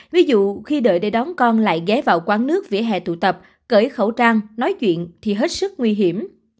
ví dụ khi đợi để đón con lại ghé vào quán nước vỉa hè tụ tập cởi khẩu trang nói chuyện thì hết sức nguy hiểm